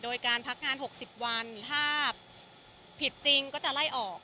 โดยการพักงาน๖๐วันถ้าผิดจริงก็จะไล่ออก